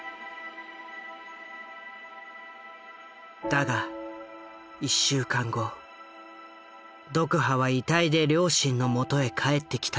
だが１週間後ドクハは遺体で両親のもとへ帰ってきた。